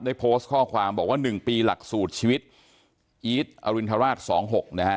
ได้โพสต์ข้อความบอกว่า๑ปีหลักสูตรชีวิตอีทอรินทราช๒๖นะฮะ